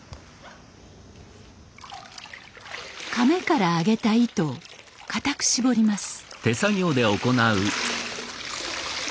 甕から上げた糸を固く絞ります。